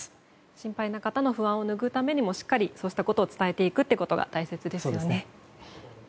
心配な方の不安をぬぐうためにもしっかり、そうしたことを伝えていくということが大切ですよね。